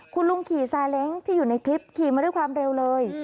คุณลุงขี่ซาเล้งที่อยู่ในคลิปขี่มาด้วยความเร็วเลย